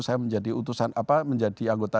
saya menjadi utusan apa menjadi anggota